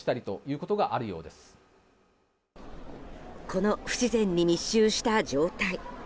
この不自然に密集した状態。